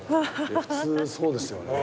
普通そうですよね。